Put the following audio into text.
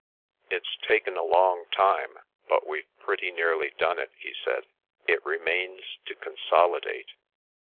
"It's taken a long time, but we've pretty nearly done it," he said; "it remains to consolidate."